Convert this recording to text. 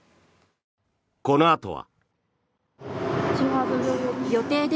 このあとは。